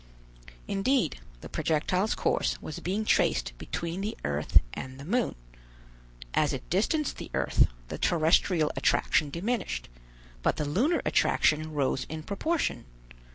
Indeed, the projectile's course was being traced between the earth and the moon. As it distanced the earth, the terrestrial attraction diminished: but the lunar attraction rose in proportion.